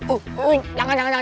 oh jangan jangan jangan